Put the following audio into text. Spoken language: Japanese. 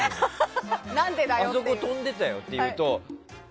あそこ、飛んでたよって言うとえ？